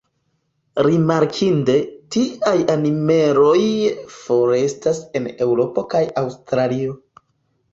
Rimarkinde, tiaj animaloj forestas en Eŭropo kaj Aŭstralio.